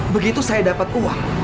begitu saya dapat uang